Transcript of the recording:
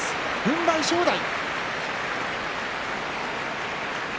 軍配、正代。